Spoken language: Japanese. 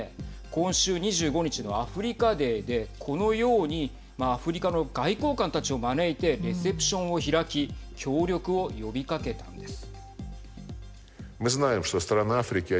今週２５日のアフリカデーでこのようにアフリカの外交官たちを招いてレセプションを開き協力を呼びかけたんです。